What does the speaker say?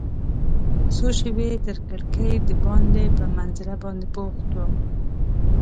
څو شیبې تر کړکۍ دباندې په منظره باندې بوخت وم.